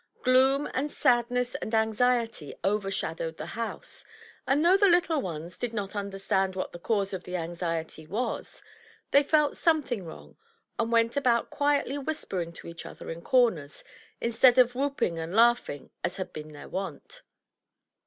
Gloom and sadness and anxiety overshadowed the house; and though the little ones did not understand what the cause of the anxiety was, they felt something wrong, and went about quietly whispering to each other in comers, instead of whooping and laughing, as had been their wont.